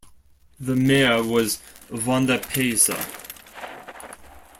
The mayor was Vondapeysa.